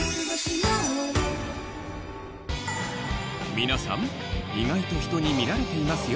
皆さん意外と人に見られていますよ